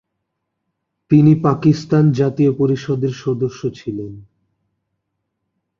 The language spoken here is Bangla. তিনি পাকিস্তান জাতীয় পরিষদের সদস্য ছিলেন।